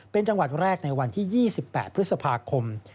เป็นจังหวัดแรกในวันที่๒๘พฤษภาคม